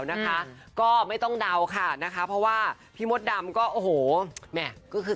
นะคะก็ไม่ต้องเดาค่ะนะคะเพราะว่าพี่มดดำก็โอ้โหแม่ก็คือ